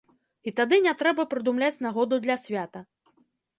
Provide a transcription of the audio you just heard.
І тады не трэба прыдумляць нагоду для свята.